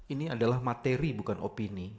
ini adalah materi bukan opini